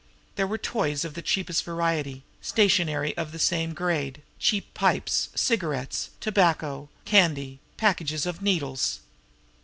There were toys of the cheapest variety, stationery of the same grade, cheap pipes, cigarettes, tobacco, candy a package of needles.